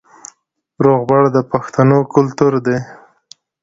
روغبړ د پښتنو کلتور دی